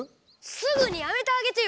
すぐにやめてあげてよ！